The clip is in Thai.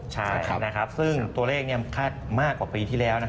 ใช่ซึ่งตัวเลขคาดมากกว่าปีที่แล้ว